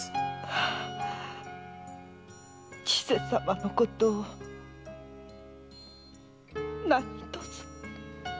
千世様のことを何とぞ。